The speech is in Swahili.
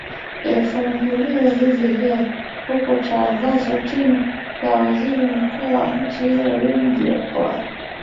ifunguliwa hivi leo huko changzou china na waziri mkuu wa nchi hiyo win jiabao